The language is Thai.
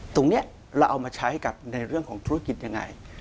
ตรงนี้เราเอามาใช้กับในเรื่องของธุรกิจยังไง